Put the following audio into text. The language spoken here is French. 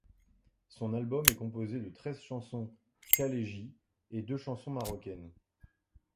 Son album est composée de treize chansons khaleejis et deux chansons marocaines.